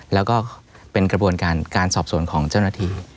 แล้วก็เป็นกระบวนการการสอบสวนของเจ้าหน้าที่